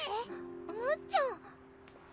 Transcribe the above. むっちゃん！